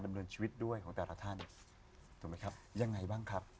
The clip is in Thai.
ดำเนินชีวิตด้วยของแต่ละท่านถูกไหมครับยังไงบ้างครับ